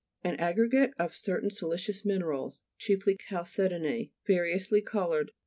An aggregate of certain siliceous minerals, chiefly chalce dony, variously coloured.